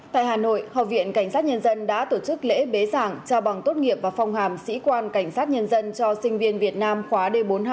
tại hà nội học viện cảnh sát nhân dân đã tổ chức lễ bế giảng trao bằng tốt nghiệp và phong hàm sĩ quan cảnh sát nhân dân cho sinh viên việt nam khóa d bốn mươi hai